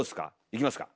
いきますか？